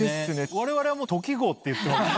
我々はもうとき号って言ってます。